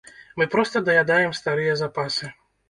Мы проста даядаем старыя запасы.